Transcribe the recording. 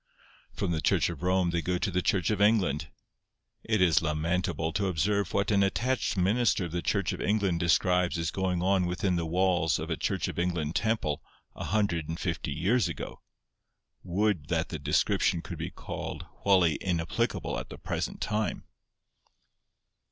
From the Church of Rome they go to the Church of England. It is lamentable to observe what an attached minister of the Church of England describes as going on within the walls of a Church of England temple a hundred and fifty years ago. Would that the description could be called wholly inapplicable at the present time!